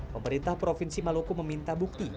pemerintah provinsi maluku meminta bukti